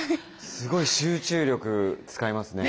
すごい集中力使いますね。